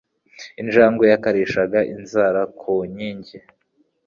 Injangwe yakarishaga inzara ku nkingi.